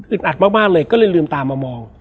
อัดมากเลยก็เลยลืมตามามอง